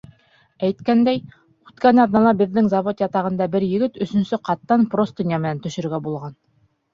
Әйткәндәй, үткән аҙнала беҙҙең завод ятағында бер егет өсөнсө ҡаттан простыня менән төшөргә булған.